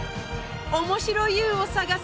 面白ＹＯＵを探す